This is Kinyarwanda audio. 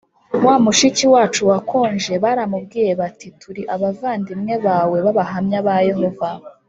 Wa mushiki wacu wakonje baramubwiye bati turi abavandimwe bawe b abahamya ba yehova